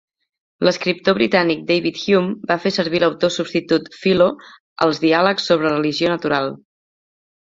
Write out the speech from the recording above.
L'escriptor britànic David Hume va fer servir l'autor substitut "Philo" als "Diàlegs sobre religió natural".